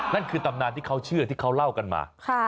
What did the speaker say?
นั่นคือตำนานที่เขาเชื่อที่เขาเล่ากันมา